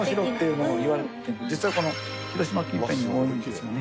実はこの広島近辺に多いんですよね。